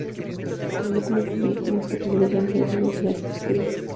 Se formó como futbolista en las categorías inferiores del Athletic Club.